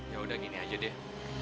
ya udah gini aja deh